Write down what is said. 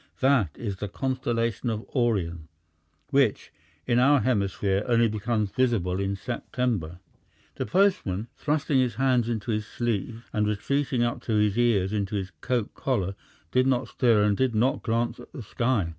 That is the constellation of Orion, which, in our hemisphere, only becomes visible in September." The postman, thrusting his hands into his sleeves and retreating up to his ears into his coat collar, did not stir and did not glance at the sky.